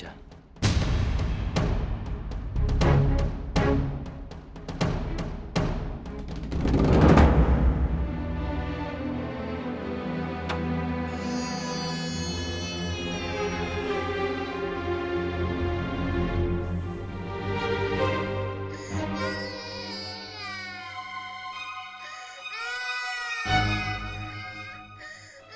aku mau pergi